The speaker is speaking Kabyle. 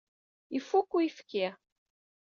Ifukk uyefki.